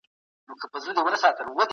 زه هیڅکله په چا باندې ظلم نه کوم.